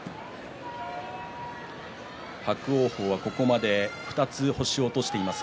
伯桜鵬は、ここまで２つ星を落としています。